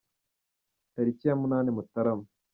Tariki ya munani Mutarama